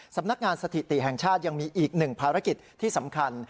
สำนักงานสถิติแห่งชาติยังมีอีกหนึ่งภารกิจที่สำคัญ